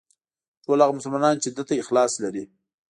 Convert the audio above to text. ټول هغه مسلمانان چې ده ته اخلاص لري.